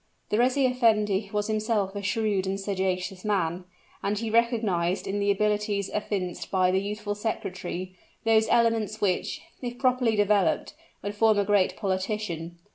The reis effendi was himself a shrewd and sagacious man; and he recognized in the abilities evinced by the youthful secretary, those elements which, if properly developed, would form a great politician.